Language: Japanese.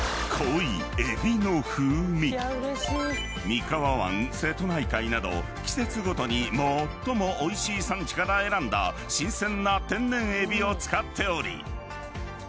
［三河湾瀬戸内海など季節ごとに最もおいしい産地から選んだ新鮮な天然えびを使っており］